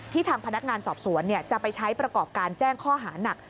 ทางพนักงานสอบสวนจะไปใช้ประกอบการแจ้งข้อหานัก